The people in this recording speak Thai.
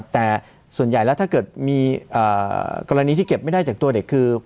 แต่ส่วนใหญ่แล้วถ้าเกิดมีกรณีที่เก็บไม่ได้จากตัวเด็กคือ